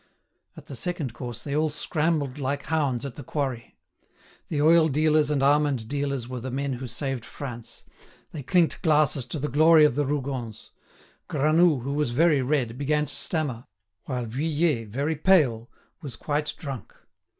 At the second course they all scrambled like hounds at the quarry. The oil dealers and almond dealers were the men who saved France. They clinked glasses to the glory of the Rougons. Granoux, who was very red, began to stammer, while Vuillet, very pale, was quite drunk.